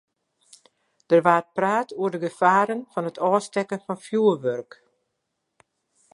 Der waard praat oer de gefaren fan it ôfstekken fan fjoerwurk.